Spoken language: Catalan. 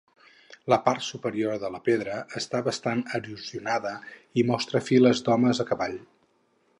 La part superior de la pedra està bastant erosionada i mostra files d'homes a cavall.